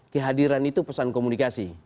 kehadiran itu pesan komunikasi